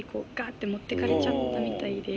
ッて持ってかれちゃったみたいで。